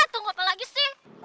tunggu apa lagi sih